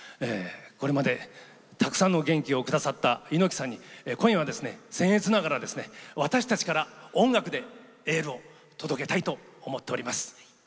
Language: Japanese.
これまでたくさんの元気をくださった猪木さんに、今夜はですねせん越ながら私たちから音楽でエールを届けたいと思っております。